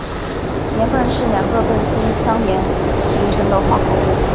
联苯是两个苯基相连形成的化合物。